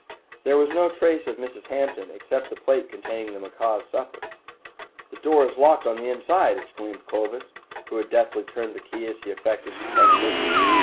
There was no trace of Mrs. Hampton except the plate containing the macaws' supper. "The door is locked on the inside!" exclaimed Clovis, who had deftly turned the key as he affected to test it.